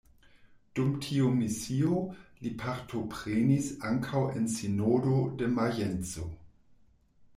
Dum tiu misio li partoprenis ankaŭ en sinodo de Majenco.